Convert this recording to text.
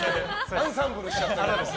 アンサンブルしちゃって。